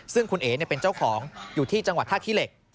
ซึ่งคุณเอ๋เป็นเจ้าของอยู่ที่จังหวัดท่าขี้เหล็ก